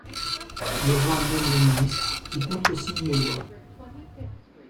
Le roi nomme les ministres, qui contresignent les lois.